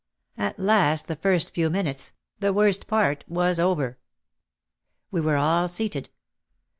At last the first few minutes, the worst part, was over. We were all seated.